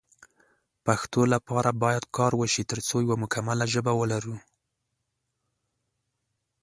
پښتو لپاره باید کار وشی ترڅو یو مکمله ژبه ولرو